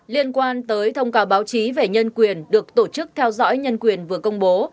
liên quan tới thông cáo báo chí về nhân quyền được tổ chức theo dõi nhân quyền vừa công bố